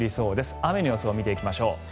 雨の様子を見ていきましょう。